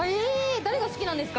誰が好きなんですか？